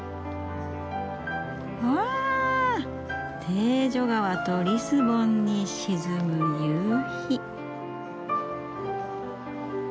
テージョ川とリスボンに沈む夕日。